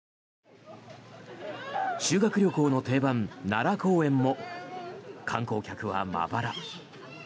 修学旅行の定番奈良公園も観光客はまばら。